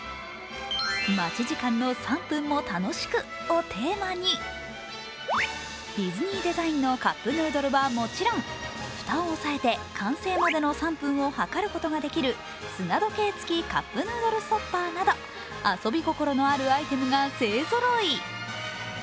「待ち時間の３分も楽しく」をテーマにディズニーデザインのカップヌードルはもちろん、蓋を押さえて完成までの３分をはかることができる砂時計つきカップヌードルストッパーなど遊び心のあるアイテムが勢ぞろい。